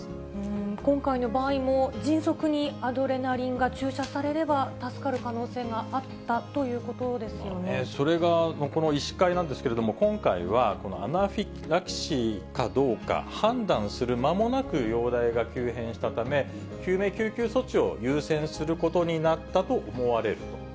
今回の場合も、迅速にアドレナリンが注射されれば、助かる可能性があったというそれが、この医師会なんですけれども、今回はアナフィラキシーかどうか判断する間もなく容体が急変したため、救命救急措置を優先することになったと思われると。